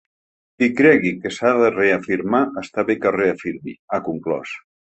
“Qui cregui que s’ha de reafirmar està bé que es reafirmi”, ha conclòs.